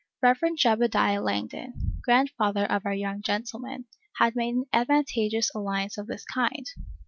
The Reverend Jedediah Langdon, grandfather of our young gentleman, had made an advantageous alliance of this kind.